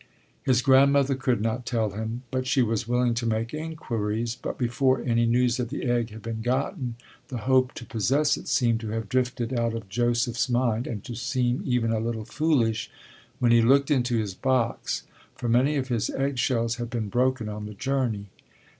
His grandmother could not tell him, but she was willing to make inquiries, but before any news of the egg had been gotten the hope to possess it seemed to have drifted out of Joseph's mind and to seem even a little foolish when he looked into his box, for many of his egg shells had been broken on the journey.